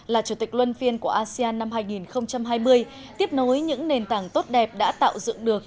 là chủ tịch luân phiên của asean năm hai nghìn hai mươi tiếp nối những nền tảng tốt đẹp đã tạo dựng được